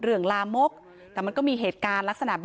เพราะพ่อเชื่อกับจ้างหักขาวโพด